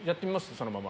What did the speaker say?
そのまま。